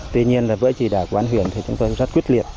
tuy nhiên với chỉ đạo quán huyện chúng tôi rất quyết liệt